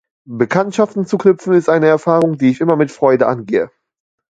Bekanntschaften zu knüpfen ist eine Erfahrung, die ich immer mit Freude angehe.